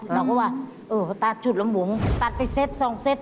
เราก็ว่าเออเขาตัดชุดลำหวงตัดไปเซ็ตสองเซต